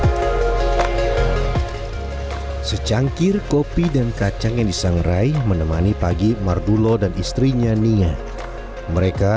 hai secangkir kopi dan kacang yang disangrai menemani pagi mardulo dan istrinya nia mereka